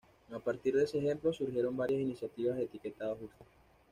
A partir de ese ejemplo, surgieron varias iniciativas de "Etiquetado Justo".